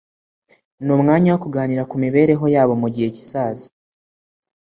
n’umwanya wo kuganira ku mibereho yabo mu gihe kizaza